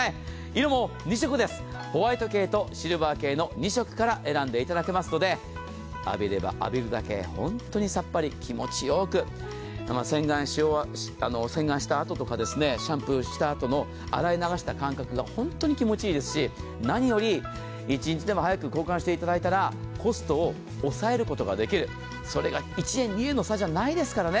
色も２色です、ホワイト系とシルバー系の２色で選んでいただけますので、浴びれば浴びるだけ本当にさっぱり、気持ちよく、洗顔したあととかシャンプーしたあとの洗い流した感覚が本当に気持ちいいですし、何より一日でも早く交換していただけたらコストを抑えることができる、それが１円、２円の差じゃないですからね。